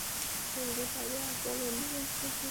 জলদি বাইরে চলুন।